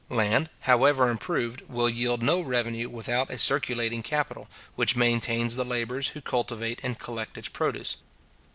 Land, however improved, will yield no revenue without a circulating capital, which maintains the labourers who cultivate and collect its produce.